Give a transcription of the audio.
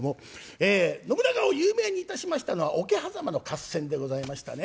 え信長を有名にいたしましたのは桶狭間の合戦でございましたね。